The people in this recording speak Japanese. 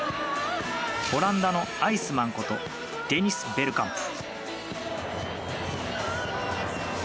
オランダのアイスマンことデニス・ベルカンプ。